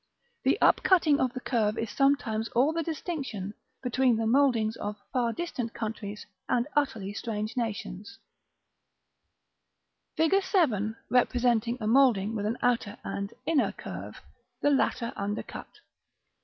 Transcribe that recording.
The up cutting of the curve is sometimes all the distinction between the mouldings of far distant countries and utterly strange nations. [Illustration: Fig. VII.] Fig. VII. representing a moulding with an outer and inner curve, the latter undercut.